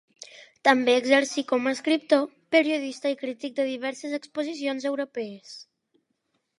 També exercí com a escriptor, periodista i crític de diverses exposicions europees.